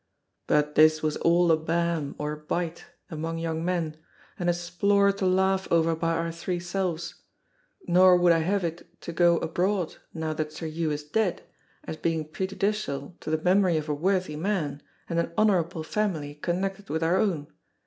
But this was all a bam, or bite, among young men, and a splore to laugh over by our three selves, nor would I have it to go abroad now that Sir Hew is dead, as being prejudicial to the memory of a worthy man, and an honourable family connected with our own.